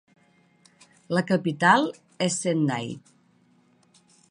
La capital és Sendai.